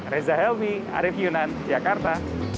reza helvi arief yunan jakarta